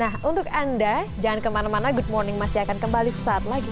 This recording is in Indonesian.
nah untuk anda jangan kemana mana good morning masih akan kembali sesaat lagi